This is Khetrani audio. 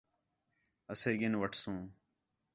اسے ڳِن وٹھسوں